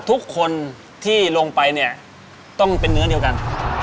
ทุกคนที่ลงไปเนี่ยต้องเป็นเนื้อเดียวกัน